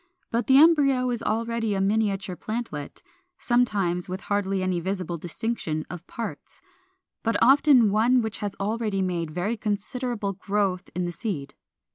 But the embryo is already a miniature plantlet, sometimes with hardly any visible distinction of parts, but often one which has already made very considerable growth in the seed.